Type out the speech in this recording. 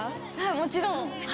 もちろん。